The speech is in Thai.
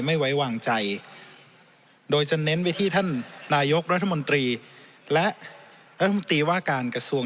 ไม่ไว้วางใจโดยจะเน้นไปที่ท่านนายกรัฐมนตรีและรัฐมนตรีว่าการกระทรวง